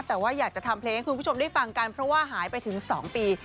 แต่ว่าอยากจะทำเพลงให้คุณผู้ชมได้ฟังกันเพราะว่าหายไปถึง๒ปี